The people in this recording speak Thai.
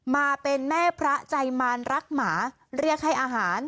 มาเป็นแม่พระใจมารรักหมาเรียกให้อาหาร